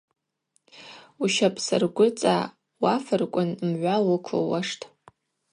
Ущапӏсаргвыцӏа уафырквын мгӏва уыквылуаштӏ.